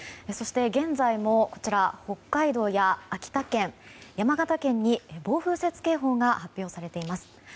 そして現在も北海道や秋田県、山形県に暴風雪警報が発表されています。